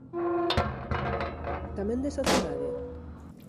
Tamén de Sociedade?